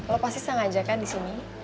lo pasti sengaja kan di sini